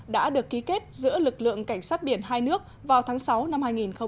đã được ký kết giữa lực lượng cảnh sát biển hai nước vào tháng sáu năm hai nghìn một mươi chín